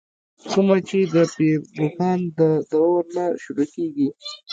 کومه چې دَپير روښان ددورنه شروع کيږې